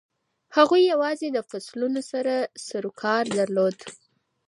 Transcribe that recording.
هغوی یوازې د فصلونو سره سروکار درلود.